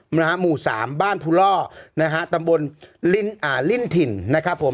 หาหมู่สามบ้านพุร่อตำบลลิ่นถิ่นนะครับผม